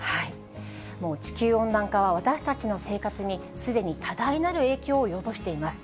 もう地球温暖化は私たちの生活にすでに多大なる影響を及ぼしています。